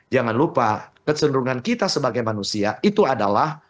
jangan lupa kecenderungan kita sebagai manusia itu adalah